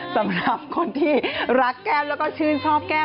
สำหรับคนที่รักแก้วแล้วก็ชื่นชอบแก้ว